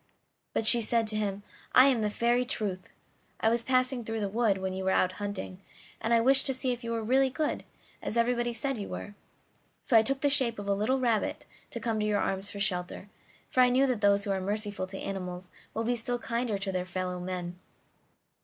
But she said to him: "I am the Fairy Truth. I was passing through the wood when you were out hunting, and I wished to find out if you were really good, as everybody said you were, so I took the shape of a little rabbit and came to your arms for shelter, for I know that those who are merciful to animals will be still kinder to their fellow men.